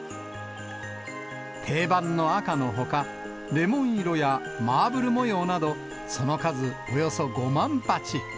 定番の赤のほか、レモン色やマーブル模様など、その数およそ５万鉢。